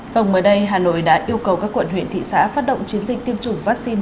phòng mới đây hà nội đã yêu cầu các quận huyện thị xã phát động chiến dịch tiêm chủng vaccine